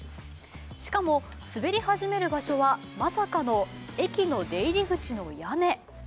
しかも滑り始める場所は、まさかの駅の出入り口の屋根。